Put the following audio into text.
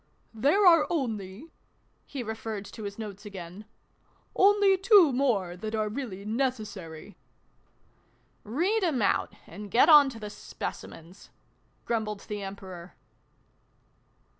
" There are only," (he referred to his notes again) " only two more, that are really necessary." " Read 'em out, and get on to the Speci mens" grumbled the Emperor.